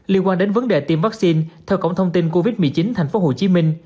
liên quan đến vấn đề tiêm vaccine theo cổng thông tin covid một mươi chín tp hcm